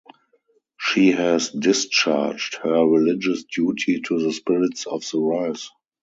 She has discharged her religious duty to the spirits of the rice.